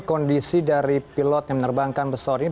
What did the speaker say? kondisi dari pilot yang menerbangkan pesawat ini